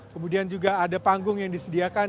kemudian juga ada panggung yang disediakan